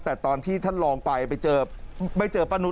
แต่ตอนที่ท่านลองไปอะไปเจอป้านุส